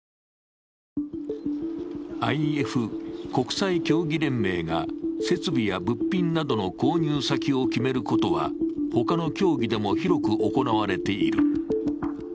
ＩＦ＝国際競技連盟が設備や物品などの購入先を決めることはほかの競技でも広く行われている。